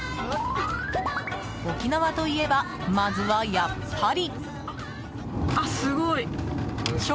沖縄といえばまずは、やっぱり。